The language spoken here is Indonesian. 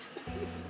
saya kira tidak